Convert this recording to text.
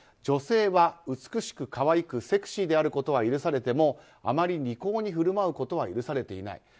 女性は美しく可愛くセクシーであることは許されてもあまり利口にふるまうことは許されていない。